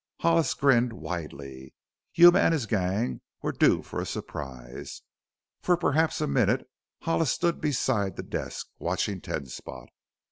Hollis grinned widely Yuma and his gang were due for a surprise. For perhaps a minute Hollis stood beside the desk, watching Ten Spot.